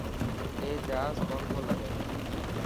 اي جهاز ڪو نٿو لگي.